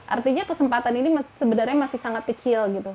artinya kesempatan ini sebenarnya masih sangat kecil gitu